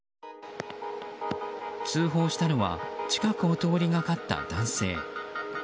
通報したのは近くを通りかかった男性。